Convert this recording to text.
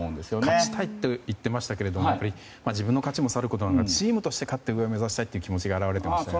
勝ちたいと言っていましたけども自分の勝ちもさることながらチームとして勝って上を目指したいという気持ちが表れていましたね。